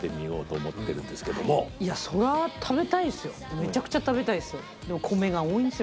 めちゃくちゃ食べたいですよ。